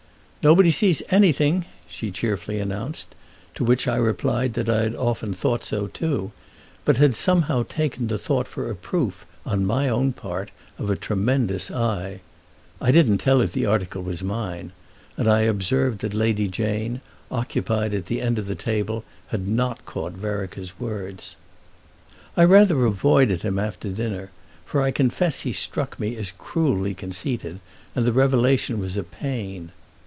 "Nobody sees anything!" she cheerfully announced; to which I replied that I had often thought so too, but had somehow taken the thought for a proof on my own part of a tremendous eye. I didn't tell her the article was mine; and I observed that Lady Jane, occupied at the end of the table, had not caught Vereker's words. I rather avoided him after dinner, for I confess he struck me as cruelly conceited, and the revelation was a pain.